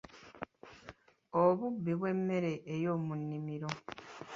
Obubbi bw’emmere eyoomunnimiro.